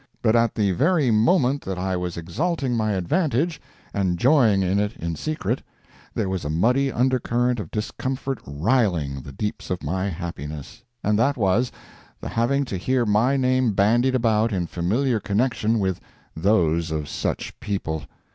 But at the very moment that I was exalting my advantage and joying in it in secret, there was a muddy undercurrent of discomfort "riling" the deeps of my happiness—and that was, the having to hear my name bandied about in familiar connection with those of such people.